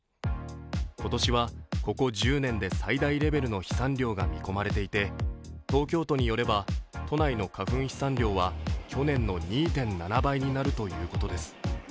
今年はここ１０年で最大レベルの飛散量が見込まれていて東京都によれば都内の花粉飛散量は去年の２．７倍になるということです